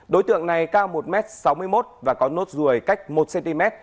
đối tượng này cao một m sáu mươi một và có nốt ruồi cách một cm